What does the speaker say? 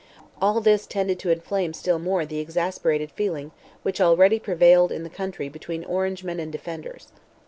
All this tended to inflame still more the exasperated feeling which already prevailed in the country between Orangemen and Defenders.